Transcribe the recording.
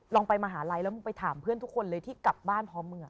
แล้วมึงไปถามเพื่อนทุกคนเลยที่กลับบ้านพร้อมมึง